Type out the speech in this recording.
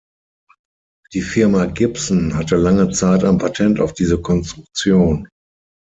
Die Firma Gibson hatte lange Zeit ein Patent auf diese Konstruktion.